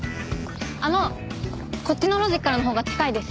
あのこっちの路地からのほうが近いですよ。